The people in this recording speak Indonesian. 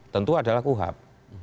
tentu adalah kuhap